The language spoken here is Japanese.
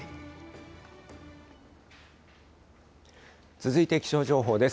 続いて気象情報です。